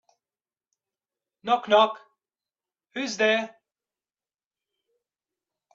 Knock knock! Who's there?